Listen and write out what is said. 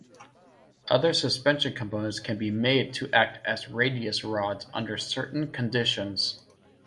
Other suspension components can be made to act as radius rods under certain conditions.